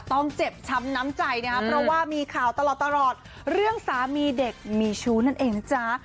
ต้องเจ็บช้ำน้ำใจนะครับเพราะว่ามีข่าวตลอดตลอดเรื่องสามีเด็กมีชู้นั่นเองนะจ๊ะ